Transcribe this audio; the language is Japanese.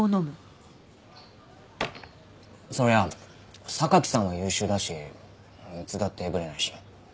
そりゃ榊さんは優秀だしいつだってブレないし。